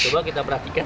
coba kita perhatikan